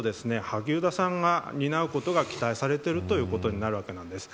萩生田さんが担うことが期待されているということになるわけです。